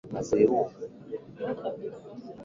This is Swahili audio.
uambukizaji wa ndigana baridi kupitia kwa kupe wa samawati